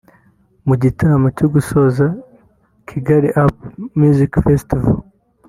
Mu gitaramo cyo gusoza Kigali Up Music Festival